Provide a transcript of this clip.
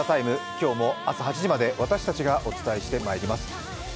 今日も朝８時まで私たちがお伝えしてまいります。